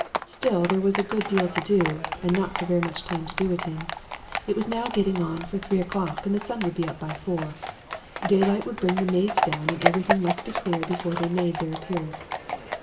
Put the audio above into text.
"Still, there was a good deal to do, and not so very much time to do it in. It was now getting on for three o'clock and the sun would be up by four. Daylight would bring the maids down and everything must be clear before they made their appearance.